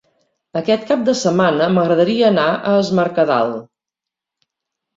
Aquest cap de setmana m'agradaria anar a Es Mercadal.